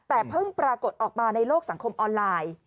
แต่เพิ่งปรากฏออกมาในโลกสังคมออนไลน์